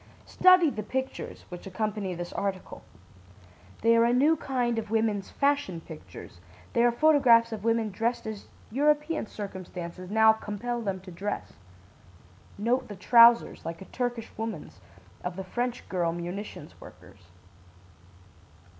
"Study the pictures which accompany this article. They are a new kind of women's 'fashion pictures'; they are photographs of women dressed as European circumstances now compel them to dress. Note the trousers, like a Turkish woman's, of the French girl munitions workers.